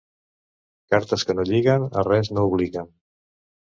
Cartes que no lliguen a res no obliguen.